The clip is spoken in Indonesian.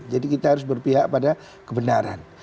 jadi kita harus berpihak pada kebenaran